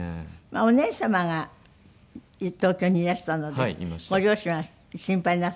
お姉様が東京にいらしたのでご両親は心配なさらない？